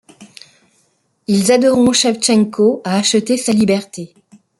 Ils aideront Chevtchenko à acheter sa liberté.